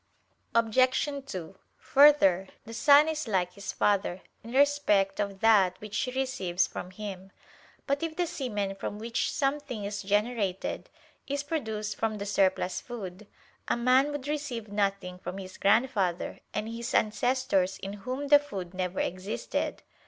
Obj. 2: Further, the son is like his father, in respect of that which he receives from him. But if the semen from which something is generated, is produced from the surplus food, a man would receive nothing from his grandfather and his ancestors in whom the food never existed.